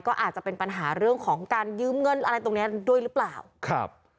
ก็อาจจะเป็นปัญหาเรื่องของการยืมเงินอะไรตรงเนี้ยด้วยหรือเปล่าครับ